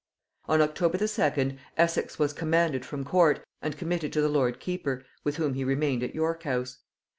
On October the second, Essex was "commanded from court," and committed to the lord keeper, with whom he remained at York house.